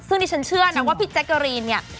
ซึ่งดิฉันเชื่อนะว่าพี่แจ๊กกะรีนเนี่ย